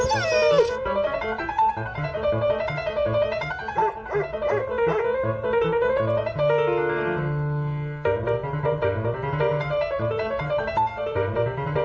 สวัสดีค่ะ